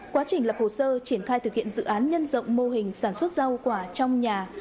quá trình lập hồ sơ triển khai thực hiện dự án nhân rộng mô hình sản xuất rau quả trong nhà